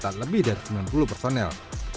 tak lebih dari sembilan puluh personel